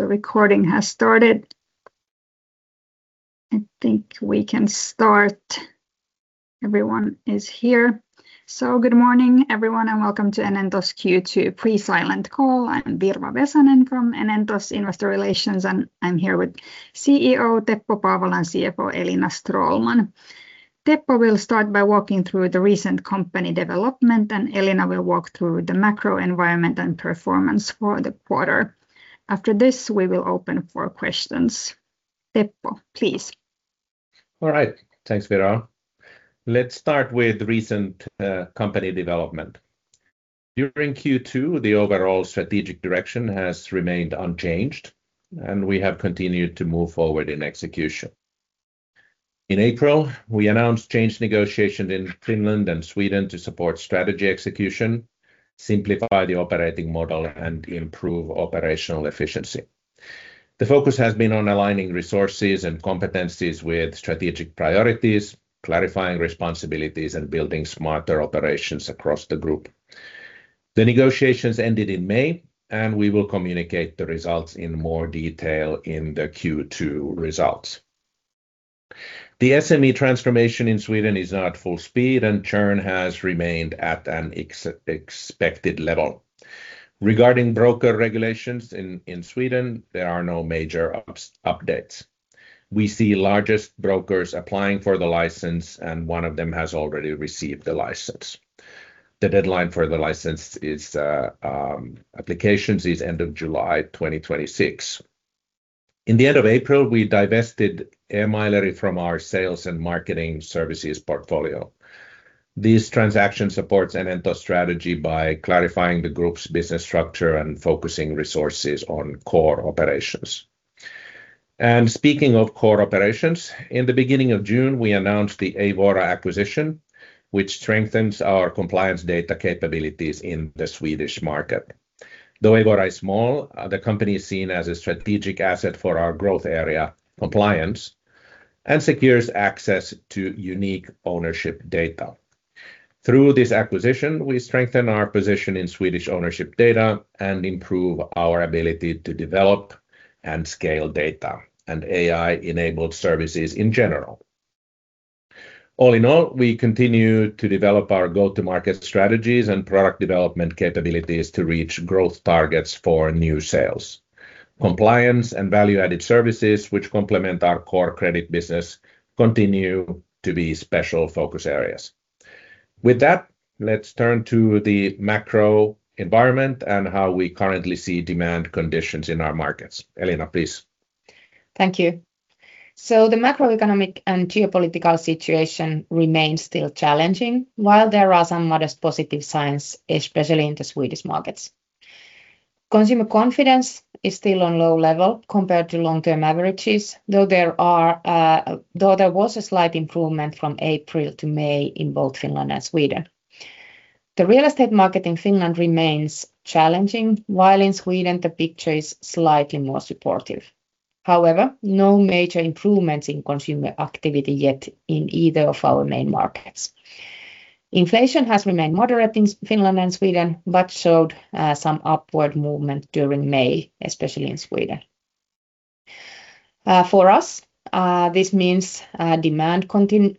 The recording has started. I think we can start. Everyone is here. Good morning, everyone, and welcome to Enento's Q2 pre-silent call. I'm Virva Vesanen from Enento's investor relations, and I'm here with CEO Teppo Paavola and CFO Elina Stråhlman. Teppo will start by walking through the recent company development, and Elina will walk through the macro environment and performance for the quarter. After this, we will open for questions. Teppo, please. All right. Thanks, Virva. Let's start with recent company development. During Q2, the overall strategic direction has remained unchanged, and we have continued to move forward in execution. In April, we announced change negotiation in Finland and Sweden to support strategy execution, simplify the operating model, and improve operational efficiency. The focus has been on aligning resources and competencies with strategic priorities, clarifying responsibilities, and building smarter operations across the group. The negotiations ended in May, and we will communicate the results in more detail in the Q2 results. The SME transformation in Sweden is at full speed, and churn has remained at an expected level. Regarding broker regulations in Sweden, there are no major updates. We see largest brokers applying for the license, and one of them has already received the license. The deadline for the license applications is end of July 2026. In the end of April, we divested Emaileri from our sales and marketing services portfolio. This transaction supports Enento's strategy by clarifying the group's business structure and focusing resources on core operations. Speaking of core operations, in the beginning of June, we announced the Eivora acquisition, which strengthens our compliance data capabilities in the Swedish market. Though Eivora is small, the company is seen as a strategic asset for our growth area compliance and secures access to unique ownership data. Through this acquisition, we strengthen our position in Swedish ownership data and improve our ability to develop and scale data and AI-enabled services in general. All in all, we continue to develop our go-to-market strategies and product development capabilities to reach growth targets for new sales. Compliance and value-added services which complement our core credit business continue to be special focus areas. With that, let's turn to the macro environment and how we currently see demand conditions in our markets. Elina, please. Thank you. The macroeconomic and geopolitical situation remains still challenging, while there are some modest positive signs, especially in the Swedish markets. Consumer confidence is still on low level compared to long-term averages, though there was a slight improvement from April to May in both Finland and Sweden. The real estate market in Finland remains challenging, while in Sweden the picture is slightly more supportive. No major improvements in consumer activity yet in either of our main markets. Inflation has remained moderate in Finland and Sweden, showed some upward movement during May, especially in Sweden. For us, this means demand conditions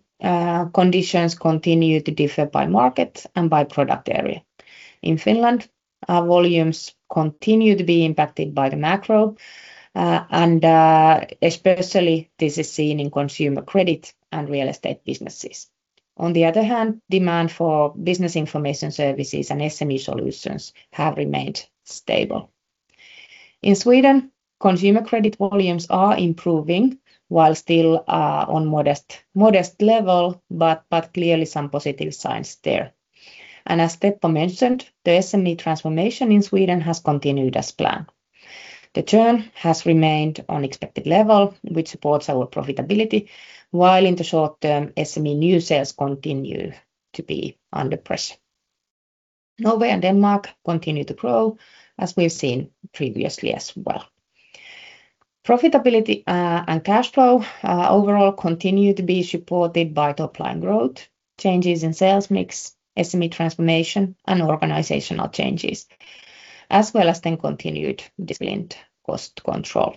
continue to differ by market and by product area. In Finland, our volumes continue to be impacted by the macro, especially this is seen in consumer credit and real estate businesses. Demand for business information services and SME solutions have remained stable. In Sweden, consumer credit volumes are improving while still on modest level, clearly some positive signs there. As Teppo mentioned, the SME transformation in Sweden has continued as planned. The churn has remained on expected level, which supports our profitability, while in the short term, SME new sales continue to be under pressure. Norway and Denmark continue to grow as we've seen previously as well. Profitability and cash flow overall continue to be supported by top line growth, changes in sales mix, SME transformation, and organizational changes, as well as the continued disciplined cost control.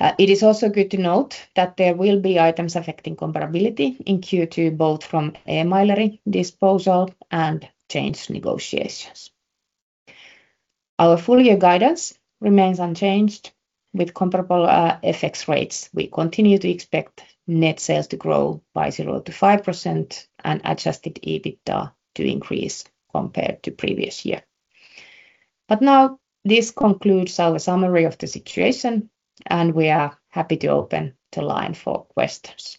It is also good to note that there will be items affecting comparability in Q2, both from Emaileri disposal and change negotiations. Our full year guidance remains unchanged with comparable FX rates. We continue to expect net sales to grow by 0%-5% and adjusted EBITDA to increase compared to previous year. This concludes our summary of the situation, and we are happy to open the line for questions.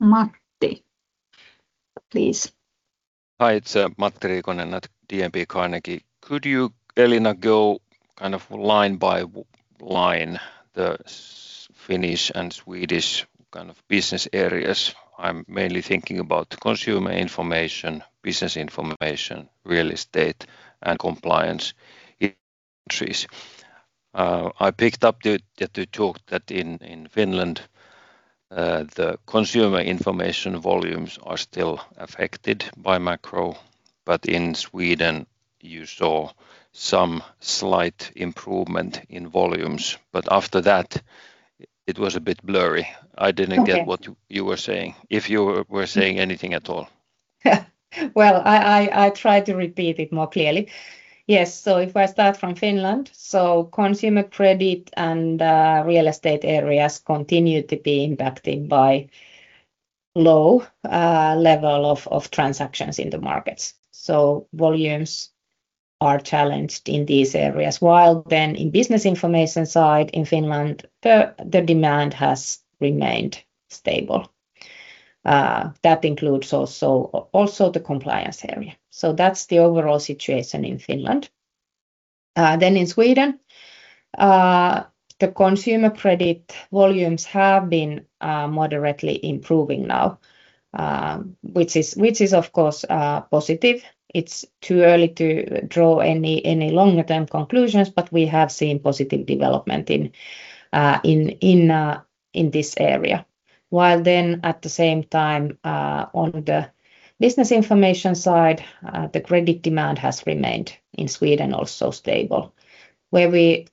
Matti, please. Hi, it's Matti Riikonen at DNB Carnegie. Could you, Elina, go line by line the Finnish and Swedish business areas? I'm mainly thinking about consumer information, business information, real estate, and compliance in these countries. I picked up that you talked that in Finland, the consumer information volumes are still affected by macro, but in Sweden you saw some slight improvement in volumes. After that it was a bit blurry. I didn't get what you were saying, if you were saying anything at all. Well, I try to repeat it more clearly. Yes. If I start from Finland, consumer credit and real estate areas continue to be impacted by low level of transactions in the markets. Volumes are challenged in these areas, while in business information side in Finland, the demand has remained stable. That includes also the compliance area. That's the overall situation in Finland. In Sweden, the consumer credit volumes have been moderately improving now, which is of course, positive. It's too early to draw any longer-term conclusions, but we have seen positive development in this area. While at the same time, on the business information side, the credit demand has remained in Sweden also stable. Where we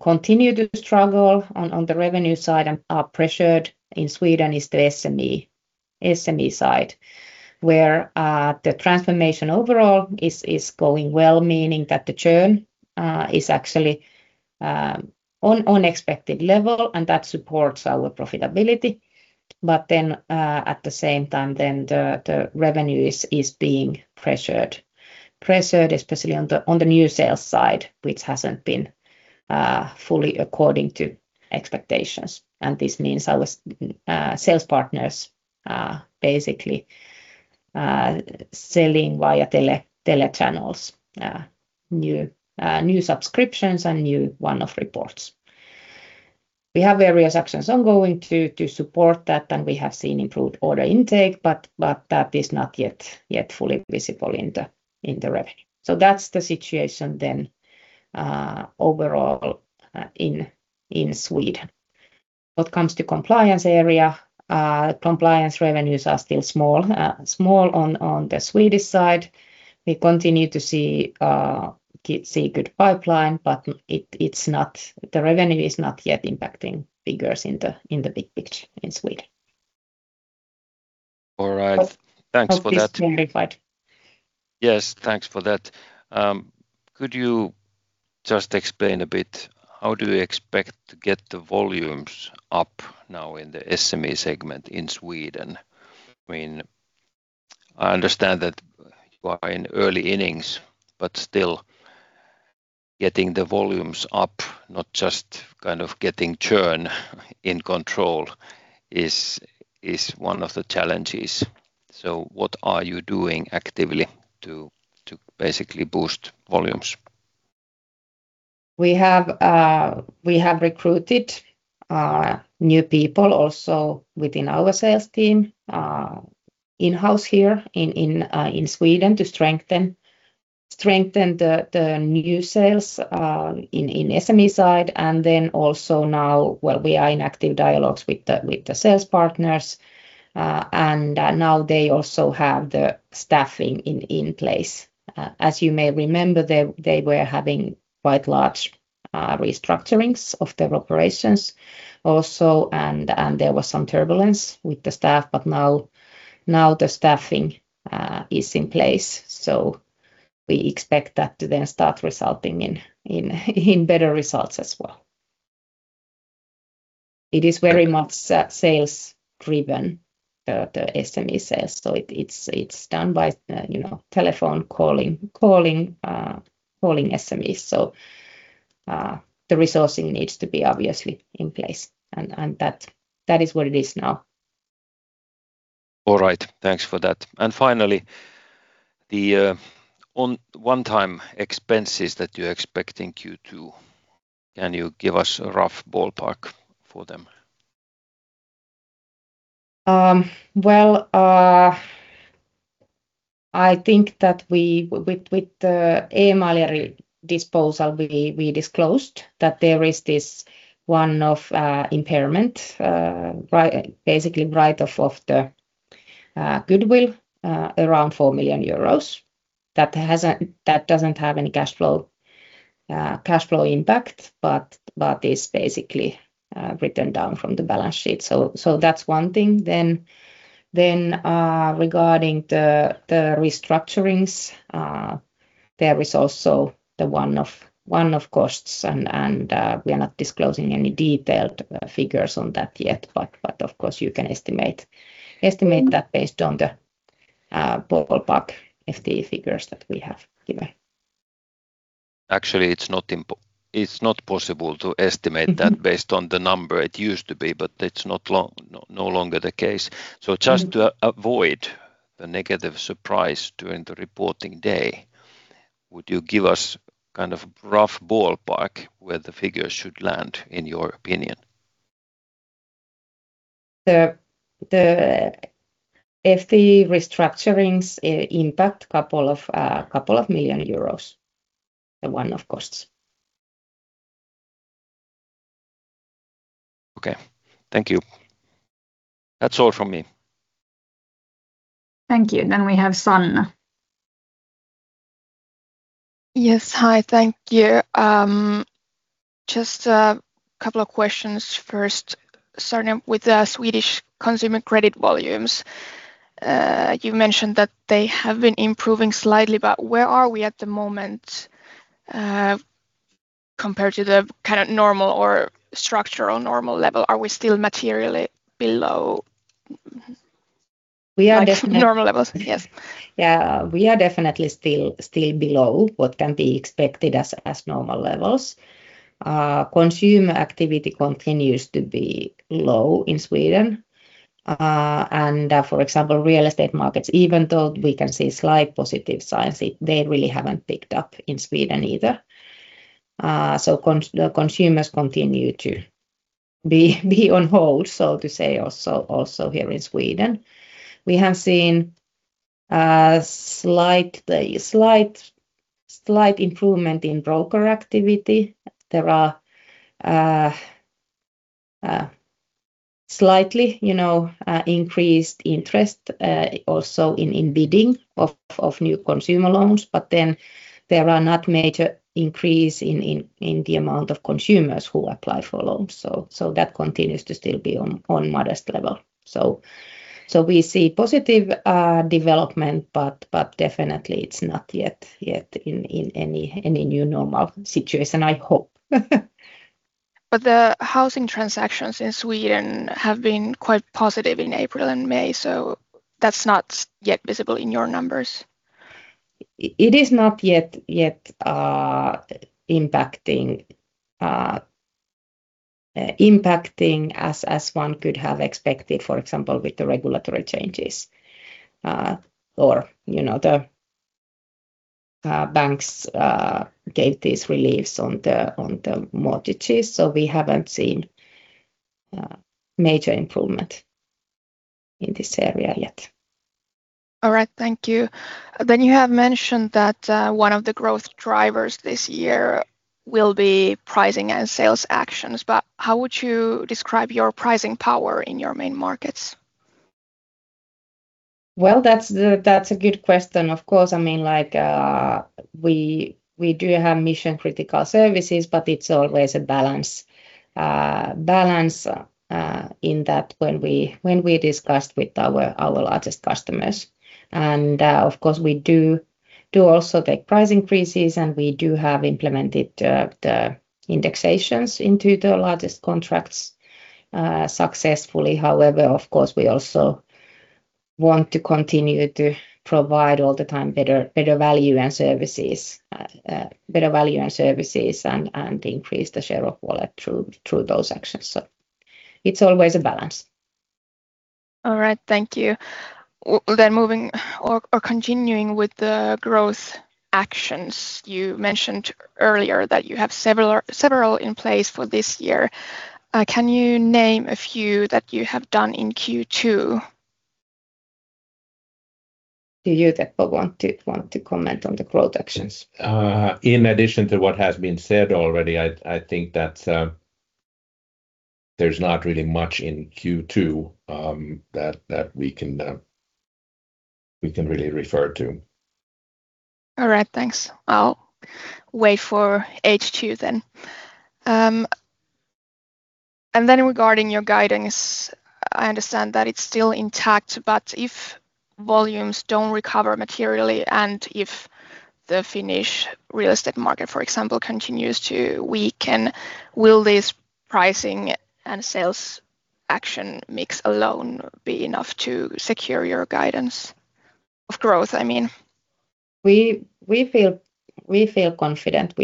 continue to struggle on the revenue side and are pressured in Sweden is the SME side, where the transformation overall is going well, meaning that the churn is actually on expected level, and that supports our profitability. At the same time, the revenue is being pressured, especially on the new sales side, which hasn't been fully according to expectations. This means our sales partners are basically selling via tele channels, new subscriptions and new one-off reports. We have various actions ongoing to support that, and we have seen improved order intake, but that is not yet fully visible in the revenue. That's the situation, overall, in Sweden. What comes to compliance area, compliance revenues are still small on the Swedish side. We continue to see good pipeline, but the revenue is not yet impacting figures in the big picture in Sweden. All right. Thanks for that. Hope this clarified. Yes, thanks for that. Could you just explain a bit, how do you expect to get the volumes up now in the SME segment in Sweden? I understand that you are in early innings, but still getting the volumes up, not just getting churn in control is one of the challenges. What are you doing actively to basically boost volumes? We have recruited new people also within our sales team, in-house here in Sweden to strengthen the new sales in SME side. Also now we are in active dialogues with the sales partners. Now they also have the staffing in place. As you may remember, they were having quite large restructurings of their operations also, and there was some turbulence with the staff. Now the staffing is in place, we expect that to then start resulting in better results as well. It is very much sales driven, the SME sales. It is done by telephone calling SMEs. The resourcing needs to be obviously in place, and that is where it is now. All right. Thanks for that. Finally, the one-time expenses that you are expecting Q2, can you give us a rough ballpark for them? I think that with the Emaileri disposal, we disclosed that there is this one-off impairment, basically write-off of the goodwill, around 4 million euros. That doesn't have any cash flow impact but is basically written down from the balance sheet. That's one thing. Regarding the restructurings, there is also the one-off costs, we are not disclosing any detailed figures on that yet. Of course, you can estimate that based on the ballpark FTE figures that we have given. Actually, it's not possible to estimate that based on the number it used to be, but it's no longer the case. Just to avoid the negative surprise during the reporting day, would you give us kind of rough ballpark where the figures should land, in your opinion? The FTE restructurings impact a couple of million EUR. The one-off costs. Okay. Thank you. That's all from me. Thank you. We have Sanna. Yes. Hi, thank you. Just a couple of questions first, starting with the Swedish consumer credit volumes. You mentioned that they have been improving slightly, but where are we at the moment compared to the normal or structural normal level? Are we still materially below- We are definitely- normal levels? Yes. Yeah. We are definitely still below what can be expected as normal levels. Consumer activity continues to be low in Sweden. For example, real estate markets, even though we can see slight positive signs, they really haven't picked up in Sweden either. The consumers continue to be on hold, so to say, also here in Sweden. We have seen slight improvement in broker activity. There are slightly increased interest also in bidding of new consumer loans, there are not major increase in the amount of consumers who apply for loans. That continues to still be on modest level. We see positive development, definitely it's not yet in any new normal situation, I hope. The housing transactions in Sweden have been quite positive in April and May, that's not yet visible in your numbers? It is not yet impacting as one could have expected, for example, with the regulatory changes. The banks gave these reliefs on the mortgages, we haven't seen major improvement in this area yet. All right. Thank you. You have mentioned that one of the growth drivers this year will be pricing and sales actions, how would you describe your pricing power in your main markets? Well, that's a good question. Of course, we do have mission-critical services, but it's always a balance in that when we discussed with our largest customers. Of course, we do also take price increases, and we do have implemented the indexations into the largest contracts successfully. However, of course, we also want to continue to provide all the time better value and services, and increase the share of wallet through those actions. It's always a balance. All right. Thank you. Moving or continuing with the growth actions. You mentioned earlier that you have several in place for this year. Can you name a few that you have done in Q2? Do you, Teppo, want to comment on the growth actions? In addition to what has been said already, I think that there's not really much in Q2 that we can really refer to. All right. Thanks. I'll wait for H2 then. Regarding your guidance, I understand that it's still intact, but if volumes don't recover materially, and if the Finnish real estate market, for example, continues to weaken, will this pricing and sales action mix alone be enough to secure your guidance of growth? We feel confident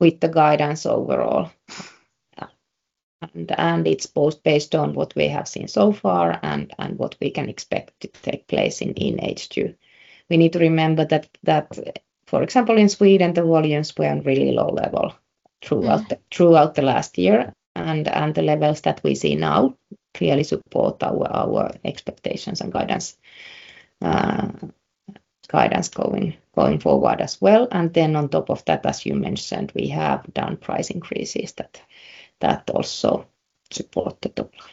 with the guidance overall. It's both based on what we have seen so far and what we can expect to take place in H2. We need to remember that, for example, in Sweden, the volumes were on really low level throughout the last year, and the levels that we see now clearly support our expectations and guidance going forward as well. On top of that, as you mentioned, we have done price increases that also support the top line.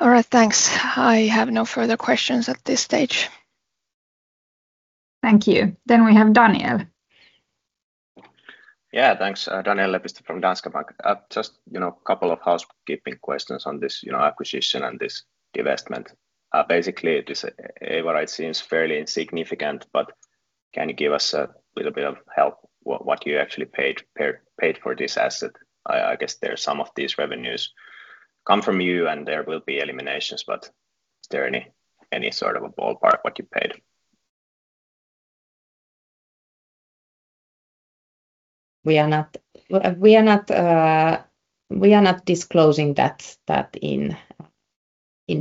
All right. Thanks. I have no further questions at this stage. Thank you. We have Daniel. Yeah. Thanks. Daniel Lepistö from Danske Bank. Just couple of housekeeping questions on this acquisition and this divestment. Basically, this EBITDA seems fairly insignificant, but can you give us a little bit of help what you actually paid for this asset? I guess some of these revenues come from you, and there will be eliminations, but is there any sort of a ballpark what you paid? We are not disclosing that in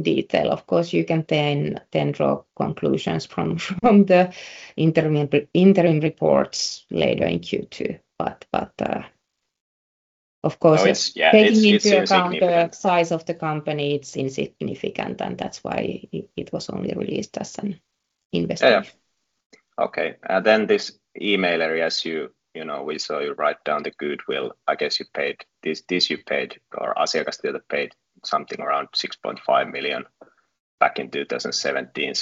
detail. Of course, you can then draw conclusions from the interim reports later in Q2. Yes, it's significant taking into account the size of the company, it's insignificant, and that's why it was only released as an investment. Yeah. Okay. this Emaileri, we saw you write down the goodwill. I guess you paid, or Asiakastieto paid something around 6.5 million back in 2017.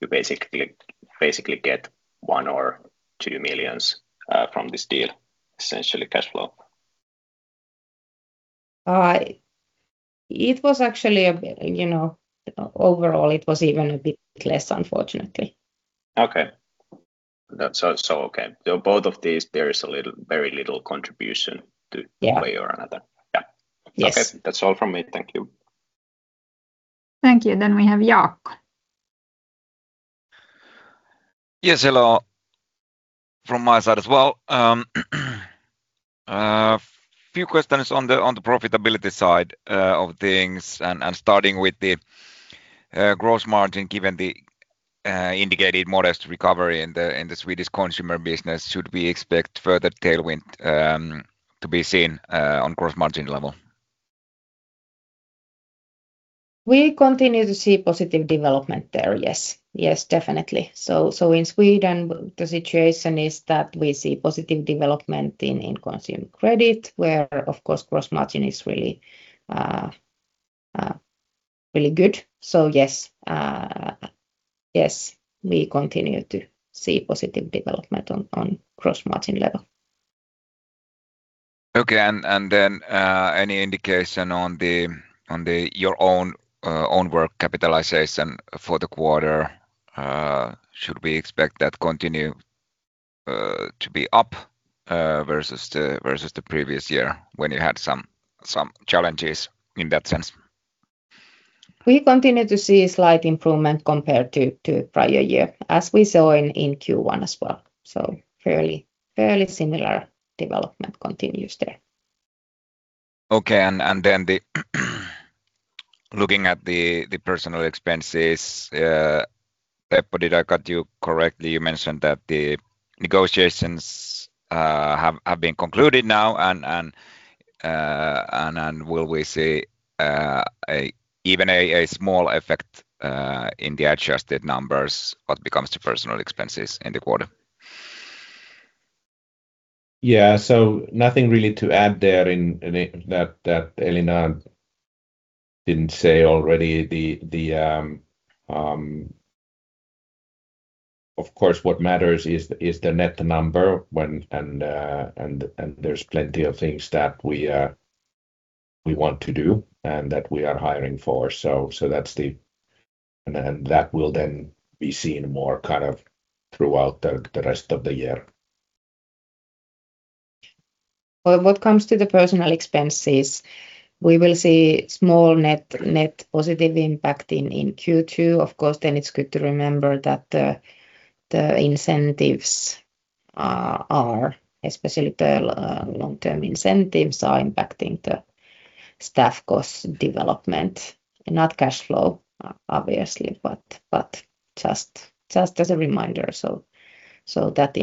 you basically get 1 million or 2 million from this deal, essentially cash flow. Overall, it was even a bit less, unfortnately. Okay. both of these, there is very little contribution to- Yeah one way or another. Yeah. Yes. Okay. That's all from me. Thank you. Thank you. We have Jaakko. Yes, hello from my side as well. A few questions on the profitability side of things, starting with the gross margin, given the indicated modest recovery in the Swedish consumer business. Should we expect further tailwind to be seen on gross margin level? We continue to see positive development there. Yes, definitely. In Sweden, the situation is that we see positive development in consumer credit, where, of course, gross margin is really good. Yes, we continue to see positive development on gross margin level. Okay. Then, any indication on your own work capitalization for the quarter? Should we expect that continue to be up versus the previous year when you had some challenges in that sense? We continue to see a slight improvement compared to prior year, as we saw in Q1 as well. Fairly similar development continues there. Okay. Then looking at the personal expenses, Teppo, did I get you correctly? You mentioned that the negotiations have been concluded now. Will we see even a small effect in the adjusted numbers what becomes the personal expenses in the quarter? Yeah. Nothing really to add there that Elina didn't say already. Of course, what matters is the net number, and there's plenty of things that we want to do and that we are hiring for. That will then be seen more throughout the rest of the year. What comes to the personal expenses, we will see small net positive impact in Q2. It's good to remember that the incentives, especially the long-term incentives, are impacting the staff cost development, not cash flow, obviously, but just as a reminder. That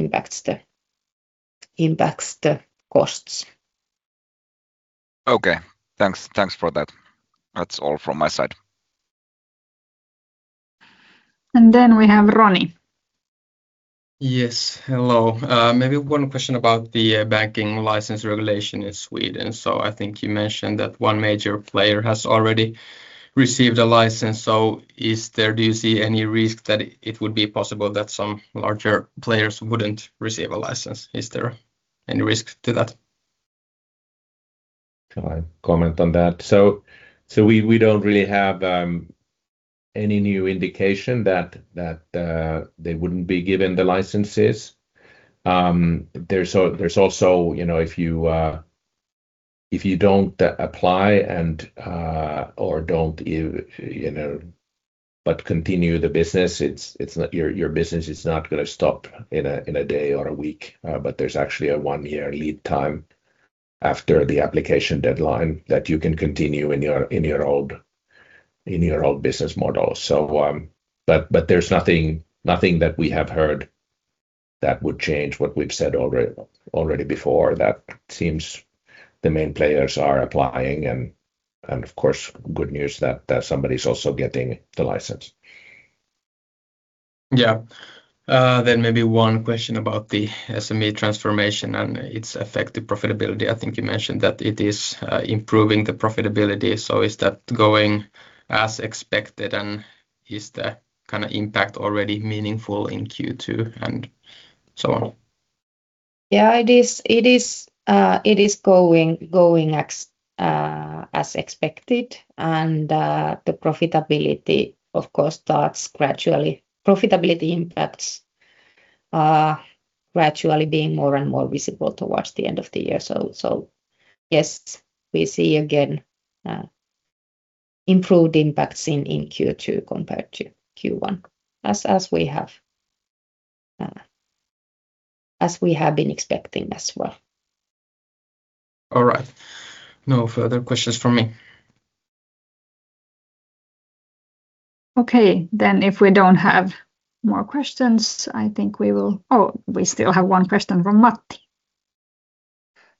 impacts the costs. Okay. Thanks for that. That's all from my side. We have Roni. Yes. Hello. Maybe one question about the banking license regulation in Sweden. I think you mentioned that one major player has already received a license. Do you see any risk that it would be possible that some larger players wouldn't receive a license? Is there any risk to that? Can I comment on that? We don't really have any new indication that they wouldn't be given the licenses. If you don't apply but continue the business, your business is not going to stop in a day or a week. There's actually a one-year lead time after the application deadline that you can continue in your old business model. There's nothing that we have heard that would change what we've said already before. That seems the main players are applying, and of course, good news that somebody is also getting the license. Yeah. Maybe one question about the SME transformation and its effective profitability. I think you mentioned that it is improving the profitability. Is that going as expected, and is the impact already meaningful in Q2 and so on? Yeah, it is going as expected. The profitability impacts are gradually being more and more visible towards the end of the year. Yes, we see, again, improved impacts in Q2 compared to Q1, as we have been expecting as well. All right. No further questions from me. Okay. If we don't have more questions, I think we will Oh, we still have one question from Matti.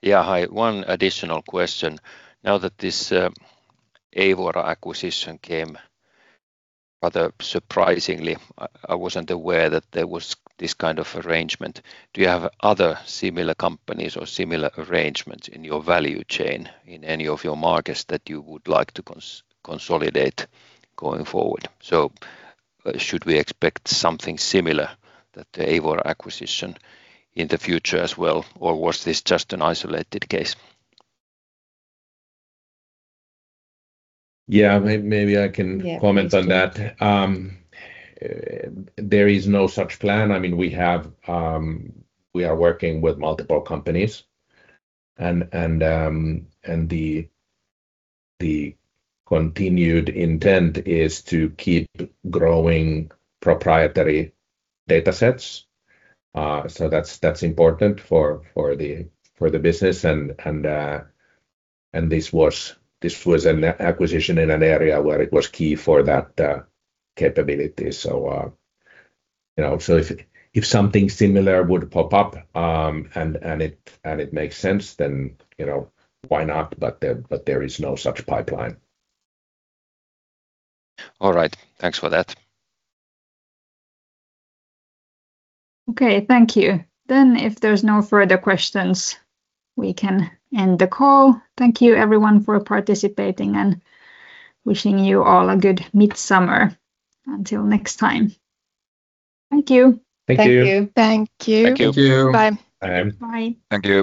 Yeah. Hi. One additional question. Now that this Eivora acquisition came rather surprisingly, I wasn't aware that there was this kind of arrangement. Do you have other similar companies or similar arrangements in your value chain in any of your markets that you would like to consolidate going forward? Should we expect something similar, that the Eivora acquisition, in the future as well, or was this just an isolated case? Yeah, maybe I can comment on that. There is no such plan. We are working with multiple companies and the continued intent is to keep growing proprietary data sets. That's important for the business and this was an acquisition in an area where it was key for that capability. If something similar would pop up, and it makes sense, then why not? There is no such pipeline. All right. Thanks for that. Okay. Thank you. If there's no further questions, we can end the call. Thank you everyone for participating and wishing you all a good midsummer. Until next time. Thank you. Thank you. Thank you. Thank you.